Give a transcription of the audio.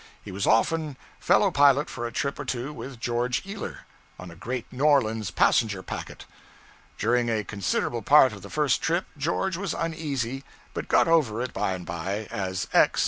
He was once fellow pilot for a trip or two with George Ealer, on a great New Orleans passenger packet. During a considerable part of the first trip George was uneasy, but got over it by and by, as X.